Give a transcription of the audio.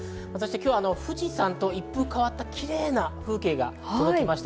今日は富士山と一風変わったキレイな風景が届きました。